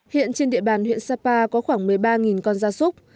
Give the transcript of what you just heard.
hiện trên địa bàn huyện sapa có khoảng một mươi ba con da súc